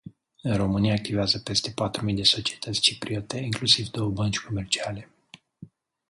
În România activează peste patru mii de societăți cipriote, inclusiv două bănci comerciale.